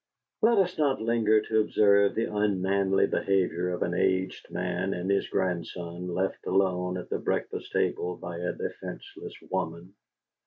'" Let us not linger to observe the unmanly behavior of an aged man and his grandson left alone at the breakfast table by a defenceless woman.